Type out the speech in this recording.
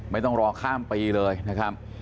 ไม่ต้องรอข้ามปีเลยนะครับ